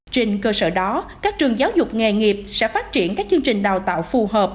trên cơ sở đó các trường giáo dục nghề nghiệp sẽ phát triển các chương trình đào tạo phù hợp